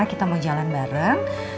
kita mau jalan bareng